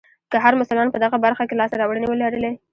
که هر مسلمان په دغه برخه کې لاسته راوړنې ولرلې.